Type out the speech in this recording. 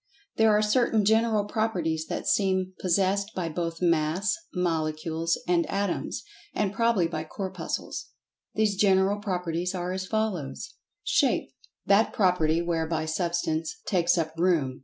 [Pg 77] There are certain General Properties that seem possessed by both Mass, Molecules, and Atoms—and probably by Corpuscles. These General Properties are as follows: Shape: That property whereby Substance "takes up room."